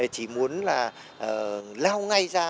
chỉ muốn là lao ngay ra